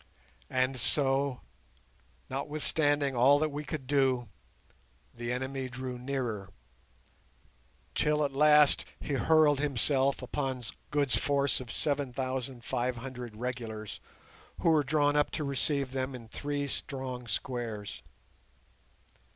And so, notwithstanding all that we could do, the enemy drew nearer, till at last he hurled himself upon Good's force of seven thousand five hundred regulars, who were drawn up to receive them in three strong squares.